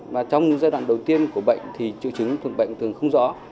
và trong giai đoạn đầu tiên của bệnh thì triệu chứng thuộc bệnh thường không rõ